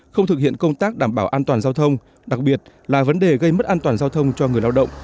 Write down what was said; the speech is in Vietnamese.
không thực hiện công tác đảm bảo an toàn giao thông đặc biệt là vấn đề gây mất an toàn giao thông cho người lao động